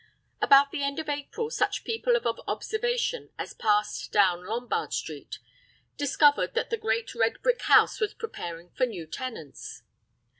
About the end of April such people of observation as passed down Lombard Street, discovered that the great red brick house was preparing for new tenants.